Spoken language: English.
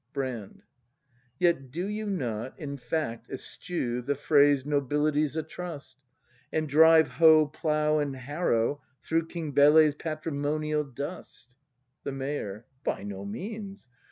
Brand. Yet do you not, in fact, eschew The phrase, "Nobility's a trust,"— And drive hoe, plough, and harrow through King Bele's patrimonial dust ? The Mayor. By no means.